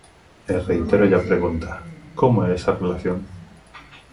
E reitérolle a pregunta: ¿como é esa relación?